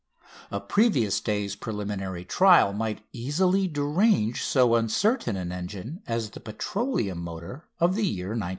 A previous day's preliminary trial might easily derange so uncertain an engine as the petroleum motor of the year 1900.